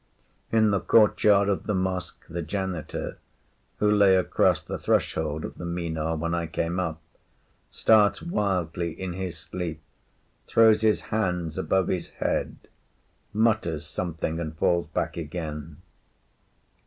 In the courtyard of the mosque the janitor, who lay across the threshold of the Minar when I came up, starts wildly in his sleep, throws his hands above his head, mutters something, and falls back again.